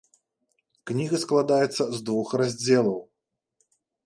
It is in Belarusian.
Кніга складаецца з двух раздзелаў.